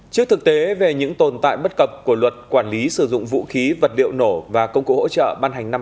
trước thực tế về những tồn tại bất cập của luật quản lý sử dụng vũ khí vật liệu nổ và công cụ hỗ trợ ban hành năm hai nghìn một mươi ba